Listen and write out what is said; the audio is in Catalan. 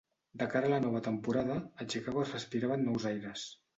De cara a la nova temporada, a Chicago es respiraven nous aires.